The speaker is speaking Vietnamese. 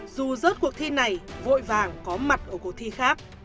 dù rớt cuộc thi này vội vàng có mặt ở cuộc thi khác